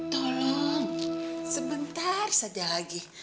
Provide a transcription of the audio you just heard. tolong sebentar saja lagi